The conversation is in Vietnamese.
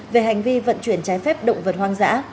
về hành vi vận chuyển trái phép động vật hoang dã